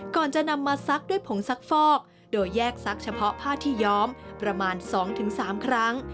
ก่อนจะนำมาซักด้วยผงซักฟอกโดยแยกซักเฉพาะผ้าที่ย้อมประมาณ๒๓ครั้ง